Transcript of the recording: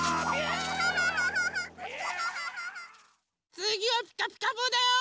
つぎは「ピカピカブ！」だよ。